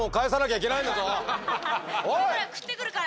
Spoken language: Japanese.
食ってくるから。